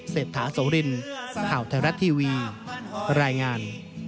เศรษฐาโสรินข่าวไทยรัฐทีวีรายงาน